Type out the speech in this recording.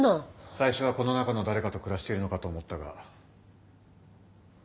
最初はこの中の誰かと暮らしているのかと思ったが。